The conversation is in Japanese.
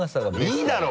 いいだろ！